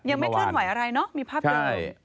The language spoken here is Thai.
ยังไม่เคลื่อนไหวอะไรเนอะมีภาพเดิม